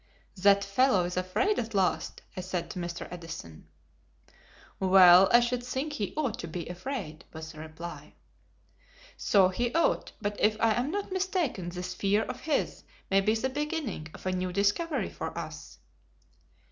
"That fellow is afraid at last," I said to Mr. Edison. "Well, I should think he ought to be afraid," was the reply. "So he ought, but if I am not mistaken this fear of his may be the beginning of a new discovery for us."